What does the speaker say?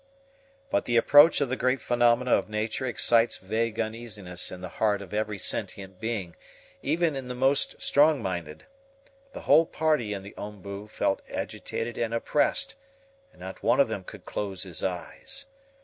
But the approach of the great phenomena of nature excites vague uneasiness in the heart of every sentient being, even in the most strong minded. The whole party in the OMBU felt agitated and oppressed, and not one of them could close his eyes.